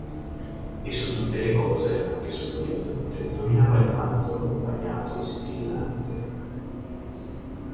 E su tutte le cose, anche sull'orizzonte, dominava il mandorlo, bagnato, stillante.